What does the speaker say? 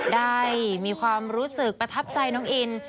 ได้มีความรู้สึกประทับใจน้องอิน